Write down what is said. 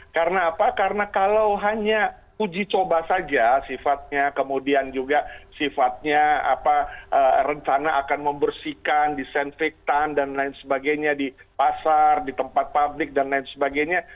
karena apa karena kalau hanya uji coba saja sifatnya kemudian juga sifatnya rencana akan membersihkan disinfektan dan lain sebagainya di pasar di tempat publik dan lain sebagainya